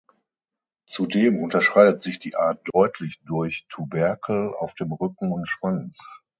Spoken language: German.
Zudem unterscheidet sich die Art deutlich durch Tuberkel auf dem Rücken und Schwanz.